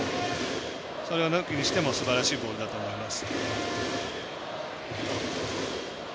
それを抜きにしてもすばらしいボールだと思います。